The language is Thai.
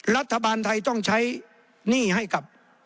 รัฐบาลไทยต้องใช้หนี้ให้กับ